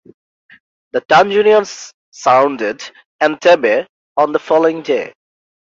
The Tanzanians surrounded Entebbe on the following day.